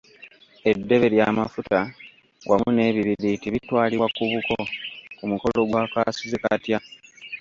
Eddebe lya mafuta wamu n'ebibiriiti bitwalibwa ku buko ku mukola gwa kaasuzekatya.